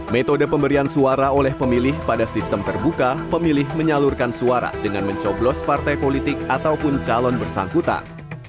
metode pemberian suara oleh pemilih pada sistem terbuka pemilih menyalurkan suara dengan mencoblos partai politik ataupun calon bersangkutan